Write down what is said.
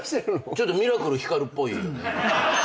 ちょっとミラクルひかるっぽい。